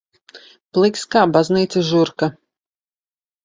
Pliks kā baznīcas žurka.